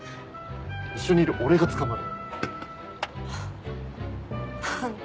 一緒にいる俺が捕まる。あんた。